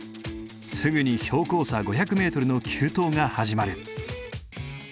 すぐに標高差５００メートルの急登が始まる。